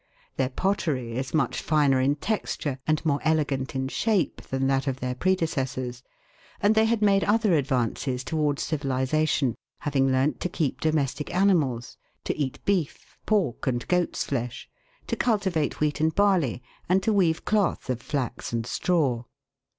Their pottery is much finer in texture and more elegant in shape than that of their predecessors, and they had made other advances towards civilisation, having learnt to keep domestic animals, to eat beef, pork, and goat's flesh, to cultivate wheat and barley, and to weave cloth of flax and straw.